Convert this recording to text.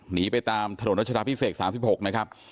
หนีไปตามถนนรัชดาพิเศษ๓๖นะครับ